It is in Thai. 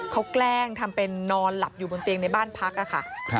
เขาแกล้งทำเป็นนอนหลับอยู่บนเตียงในบ้านพักค่ะ